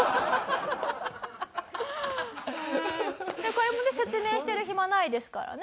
これもね説明してる暇ないですからね。